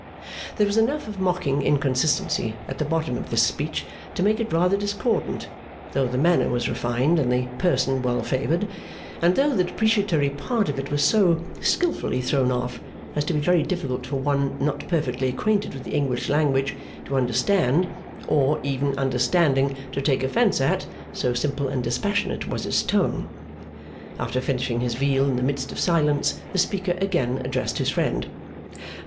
There was enough of mocking inconsistency at the bottom of this speech to make it rather discordant, though the manner was refined and the person well favoured, and though the depreciatory part of it was so skilfully thrown off as to be very difficult for one not perfectly acquainted with the English language to understand, or, even understanding, to take offence at: so simple and dispassionate was its tone. After finishing his veal in the midst of silence, the speaker again addressed his friend.